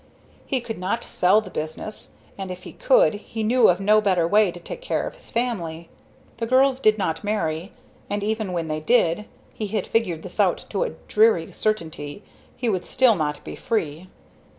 He could not sell the business and if he could, he knew of no better way to take care of his family. The girls did not marry, and even when they did, he had figured this out to a dreary certainty, he would still not be free.